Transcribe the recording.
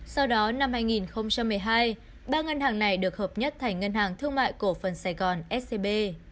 sau đó năm hai nghìn một mươi hai ba ngân hàng này được hợp nhất thành ngân hàng thương mại cổ phần sài gòn scb